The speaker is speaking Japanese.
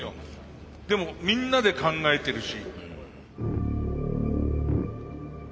でもみんなで考えてるし。